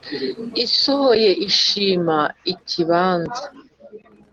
isohoye ishima ikibanza.